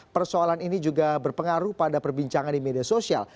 persoalan ini juga berpengaruh pada perbincangan di media sosial